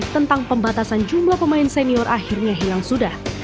tentang pembatasan jumlah pemain senior akhirnya hilang sudah